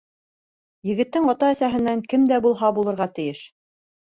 Егеттең ата-әсәһенән кем дә булһа булырға тейеш.